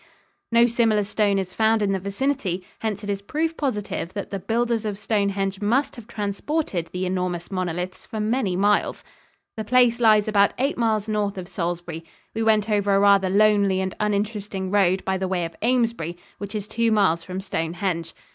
No similar stone is found in the vicinity; hence it is proof positive that the builders of Stonehenge must have transported the enormous monoliths for many miles. The place lies about eight miles north of Salisbury. We went over a rather lonely and uninteresting road by the way of Amesbury, which is two miles from Stonehenge.